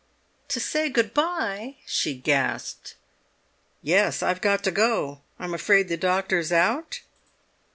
"To say goodbye!" she gasped. "Yes, I've got to go. I'm afraid the doctor's out?"